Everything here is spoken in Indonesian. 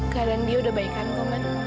keadaan dia udah baik baik